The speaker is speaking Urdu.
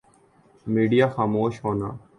میڈیا خاموش ہونا